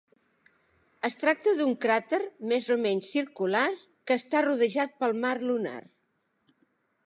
Es tracta d"un cràter, més o menys circular, que està rodejat pel mar lunar.